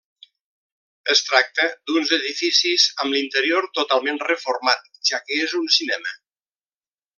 Es tracta d'uns edificis amb l'interior totalment reformat, ja que és un cinema.